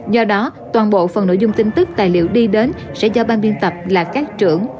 do đó toàn bộ phần nội dung tin tức tài liệu đi đến sẽ do ban biên tập là các trưởng